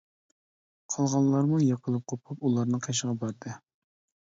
قالغانلارمۇ يىقىلىپ قوپۇپ ئۇلارنىڭ قېشىغا باردى.